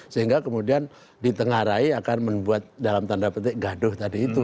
sehingga kemudian di tengah rai akan membuat dalam tanda petik gaduh tadi itu